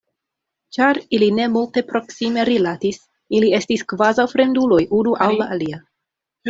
Ĉar ili ne multe proksime rilatis, ili estis kvazaŭ fremduloj unu al la alia.